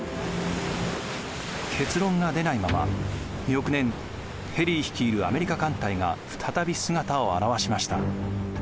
結論が出ないまま翌年ペリー率いるアメリカ艦隊が再び姿を現しました。